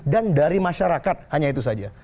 dan dari masyarakat hanya itu saja